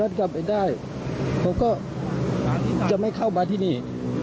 ถ้าย้อนกลับไปได้ผมก็จะไม่เข้ามาที่นี่